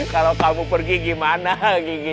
kalau kamu pergi gimana gigi